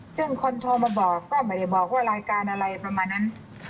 ซึ่งคนโทรมาบอกก็ไม่ได้บอกว่ารายการอะไรประมาณนั้น